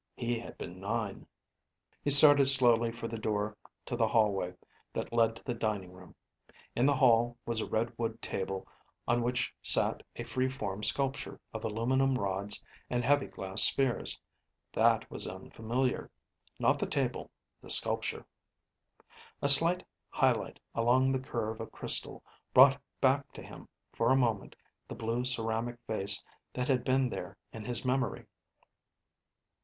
He had been nine.) He started slowly for the door to the hallway that led to the dining room. In the hall was a red wood table on which sat a free form sculpture of aluminum rods and heavy glass spheres. That was unfamiliar. Not the table, the sculpture. A slight highlight along the curve of crystal brought back to him for a moment the blue ceramic vase that had been there in his memory.